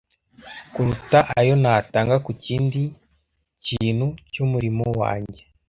kuruta ayo natanga ku kindi kintu cy’umurimo wanjye.